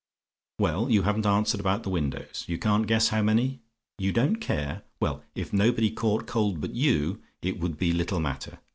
"Well, you haven't answered about the windows you can't guess how many? "YOU DON'T CARE? "Well, if nobody caught cold but you, it would be little matter.